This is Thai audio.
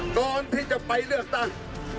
ก่อนที่จะไปเลือกตั้ง